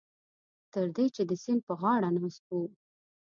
تر دې چې د سیند په غاړه ناست وو.